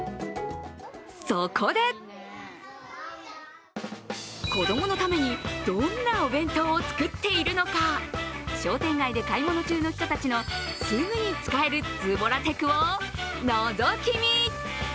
そこで、子供のためにどんなお弁当を作っているのか、商店街で買い物中の人たちのすぐに使えるズボラテクをのぞき見！